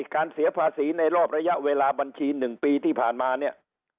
เสียภาษีในรอบระยะเวลาบัญชี๑ปีที่ผ่านมาเนี่ย